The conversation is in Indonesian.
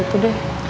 ya gitu deh